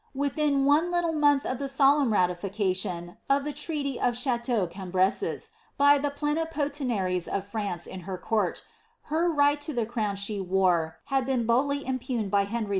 Within one litlle month at the solenm ratification of the treaty of Chatenu Cninhrtfiis, by tht rienipoientiariea of France in her court, her right lo the crown she wore lud been boldly impngned by Uenry II.'